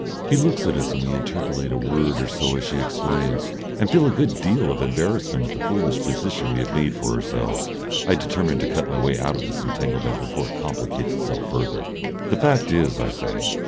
He looks at us and we interpolate a word or so as she explains and feel a good deal of embarrassment at the foolish position we have made for ourselves. I determine to cut my way out of this entanglement before it complicates itself further. "The fact is " I say.